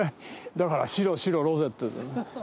だから白白ロゼって。